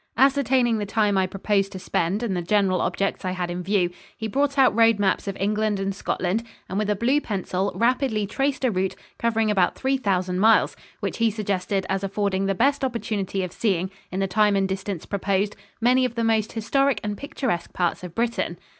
Ascertaining the time I proposed to spend and the general objects I had in view, he brought out road maps of England and Scotland and with a blue pencil rapidly traced a route covering about three thousand miles, which he suggested as affording the best opportunity of seeing, in the time and distance proposed, many of the most historic and picturesque parts of Britain.